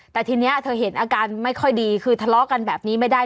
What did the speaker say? แต่ทีนี้เธอเห็นอาการไม่ค่อยดีคือทะเลาะกันแบบนี้ไม่ได้